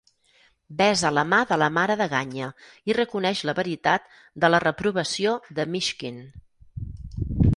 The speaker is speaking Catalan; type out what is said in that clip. Besa la mà de la mare de Ganya i reconeix la veritat de la reprovació de Myshkin.